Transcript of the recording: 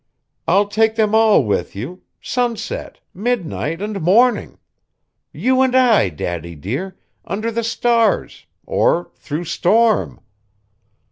I'll take them all with you. Sunset, midnight, and morning! You and I, Daddy, dear, under the stars, or through storm!